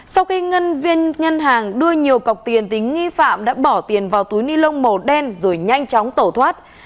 sau khi ngân viên ngân hàng đưa nhiều cọc tiền thì nghi phạm đã bỏ tiền vào túi ni lông màu đen rồi nhanh chóng tẩu thoát